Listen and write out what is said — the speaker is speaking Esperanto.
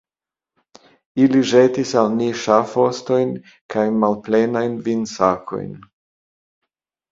Ili ĵetis al ni ŝafostojn kaj malplenajn vinsakojn.